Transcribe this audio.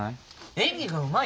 演技がうまい？